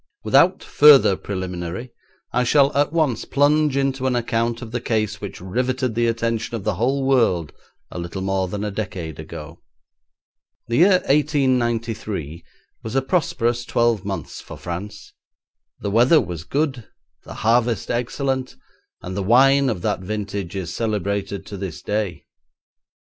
Without further preliminary I shall at once plunge into an account of the case which riveted the attention of the whole world a little more than a decade ago. The year 1893 was a prosperous twelve months for France. The weather was good, the harvest excellent, and the wine of that vintage is celebrated to this day.